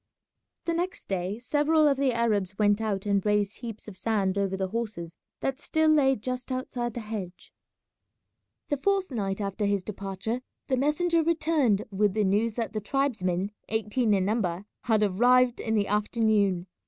The next day several of the Arabs went out and raised heaps of sand over the horses that still lay just outside the hedge. The fourth night after his departure the messenger returned with the news that the tribesmen, eighteen in number, had arrived in the afternoon.